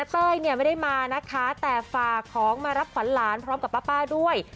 เต้ยไม่ได้มาแต่ฝ่าของมารับฝันหลานพร้อมกับป๊าป้าด้วย